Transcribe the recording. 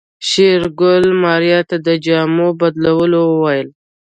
شېرګل ماريا ته د جامو بدلولو وويل.